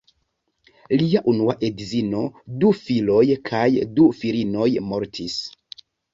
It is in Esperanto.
Lia unua edzino, du filoj kaj du filinoj mortis.